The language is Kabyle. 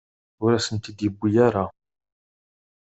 Ur asen-t-id-yewwi ara.